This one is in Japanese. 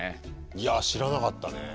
いやぁ知らなかったね。